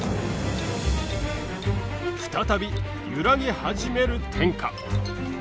再び揺らぎ始める天下。